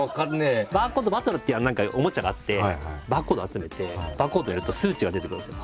バーコードバトラーっていう何かおもちゃがあってバーコードを集めてバーコードを入れると数値が出てくるんですよ。